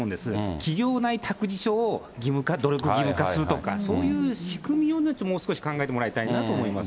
企業内託児所を努力義務化するとか、そういう仕組みをもう少し考えてもらいたいなと思いますね。